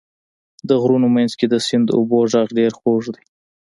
د غرونو منځ کې د سیند اوبو غږ ډېر خوږ دی.